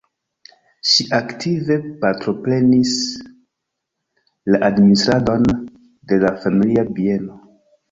Ŝi aktive partoprenis la administradon de la familia bieno.